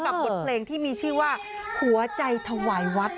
บทเพลงที่มีชื่อว่าหัวใจถวายวัด